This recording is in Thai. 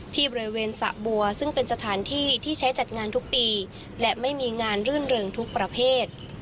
ที่บริเวณสะบัวซึ่งเป็นสถานที่ที่ใช้จัดงานทุกปีและไม่มีงานรื่นเริงทุกประเภท